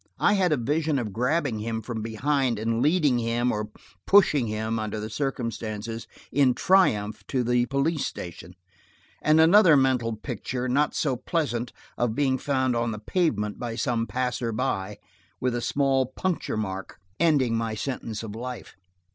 I had a vision of grabbing him from behind and leading him–or pushing him, under the circumstances, in triumph to the police station, and another mental picture, not so pleasant, of being found on the pavement by some passer by, with a small punctuation mark ending my sentence of life.